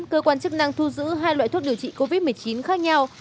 cơ quan chức năng thu giữ hai loại thuốc điều trị covid một mươi chín khác nhau